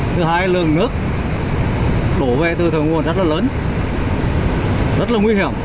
thứ hai lượng nước đổ về từ thượng nguồn rất là lớn rất là nguy hiểm